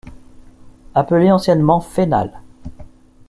Appelée anciennement Fénal.